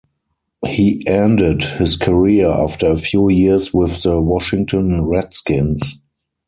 He ended his career after a few years with the Washington Redskins.